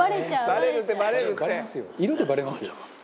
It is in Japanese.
「色でバレますよ」